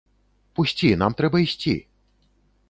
Пусці, нам трэба ісці.